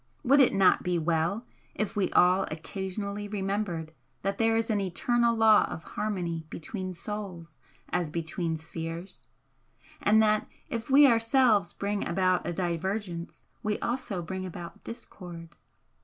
Would it not be well if we all occasionally remembered that there is an eternal law of harmony between souls as between spheres? and that if we ourselves bring about a divergence we also bring about discord?